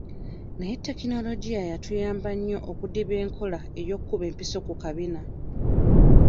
Naye tekinologiya yatuyamba nnyo okudibya enkola y'okkuba empiso ku kabina.